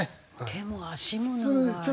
手も足も長い。